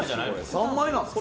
３枚なんすか？